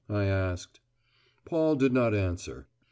I asked. Paul did not answer.